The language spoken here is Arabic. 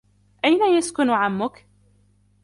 أين يسكن عمك ؟